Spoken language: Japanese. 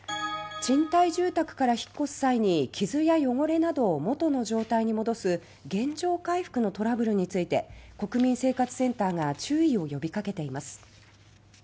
賃貸住宅から引っ越す際に傷や汚れなどを元の状態に戻す原状回復のトラブルについて国民生活センタ−が注意を呼びかけています。